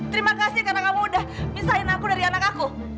terima kasih karena kamu udah pisahin aku dari anak aku